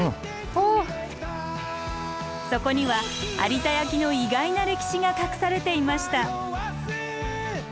そこには有田焼の意外な歴史が隠されていました。